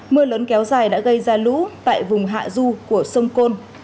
mưa lớn kéo dài đã gây ra lũ tại vùng hạ du của sông côn